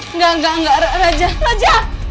enggak enggak raja raja